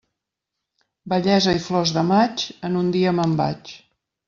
Bellesa i flors de maig, en un dia me'n vaig.